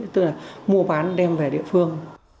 tức là mua bán đem về địa phương